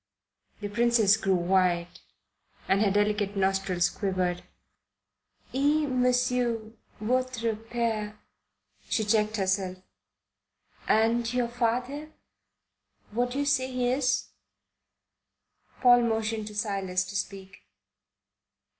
The Princess grew white and her delicate nostrils quivered. "Et monsieur votre pere " she checked herself. "And your father, what do you say he is?" Paul motioned to Silas to speak.